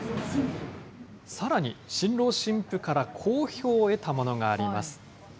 さらに、新郎新婦から好評を得たものがあります。